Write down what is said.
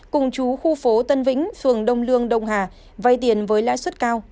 cùng chú khu phố tân vĩnh phường đông lương đông hà vay tiền với lãi suất cao